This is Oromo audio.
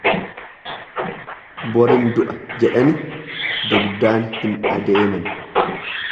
Borin du'a jedhani dugdaan hin adeeman.